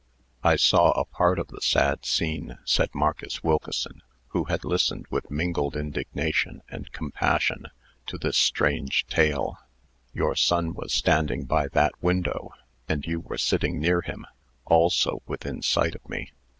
"I saw a part of the sad scene," said Marcus Wilkeson, who had listened with mingled indignation and compassion to this strange tale. "Your son was standing by that window, and you were sitting near him, also within sight of me.